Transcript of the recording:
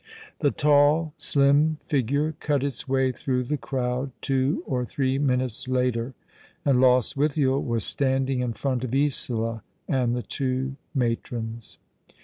The tall, slim figure cut its way through the crowd two or three minutes later, and Lostwithiel was standing in front of Isola, and the two matrons.